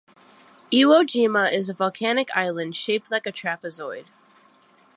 Iwo Jima is a volcanic island, shaped like a trapezoid.